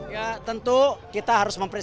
ya tentu kita harus mempersiap